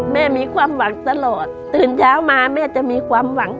มีความหวังตลอดตื่นเช้ามาแม่จะมีความหวัง